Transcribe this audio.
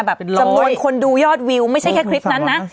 จำนวนคนดูยอดวิวไม่ใช่แค่คลิปนั้นนะ